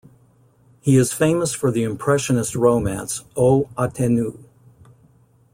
He is famous for the Impressionist romance "O Ateneu".